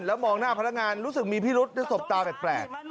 แล้วมองหน้าพนักงานรู้สึกมีพิรุษได้สบตาแปลก